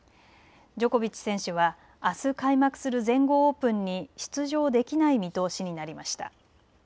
ジョコビッチ選手はあす開幕する全豪オープンに出場できない見通しになりました。